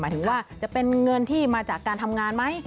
ถึงว่าจะเป็นเงินที่มาจากการทำงานไหม